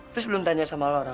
terus belum tanya sama laura